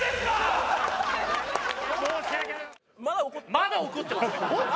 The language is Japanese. まだ怒ってますね。